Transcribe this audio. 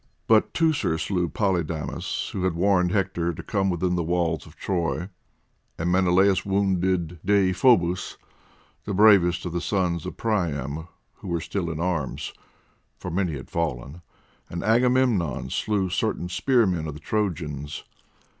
But Teucer slew Polydamas, who had warned Hector to come within the walls of Troy; and Menelaus wounded Deiphobus, the bravest of the sons of Priam who were still in arms, for many had fallen; and Agamemnon slew certain spearmen of the Trojans.